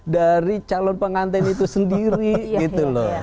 dari calon pengantin itu sendiri gitu loh